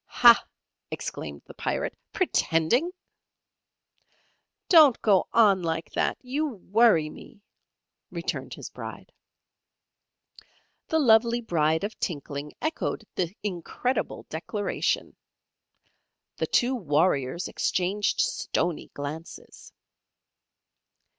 "Hah!" exclaimed the Pirate. "Pretending?" "Don't go on like that; you worry me," returned his Bride. The lovely Bride of Tinkling echoed the incredible declaration. The two warriors exchanged stoney glances.